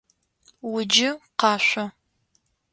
Уджы, къашъо!